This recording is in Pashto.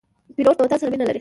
پیلوټ د وطن سره مینه لري.